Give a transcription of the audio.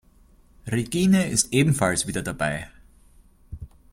Regine ist ebenfalls wieder dabei.